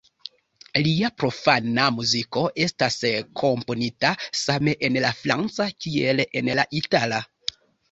Lia profana muziko estas komponita same en la franca kiel en la itala.